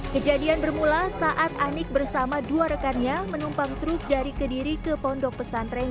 kejadian bermula saat anik bersama dua rekannya menumpang truk dari kediri ke pondok pesantren